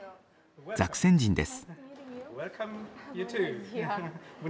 ザクセン人です。